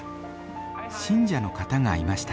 信者の方がいました。